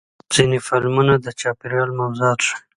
ځینې فلمونه د چاپېریال موضوعات ښیي.